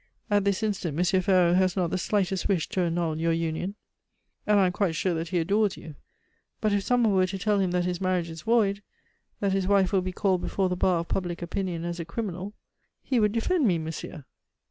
At this instant Monsieur Ferraud has not the slightest wish to annual your union, and I am quite sure that he adores you; but if some one were to tell him that his marriage is void, that his wife will be called before the bar of public opinion as a criminal " "He would defend me, monsieur."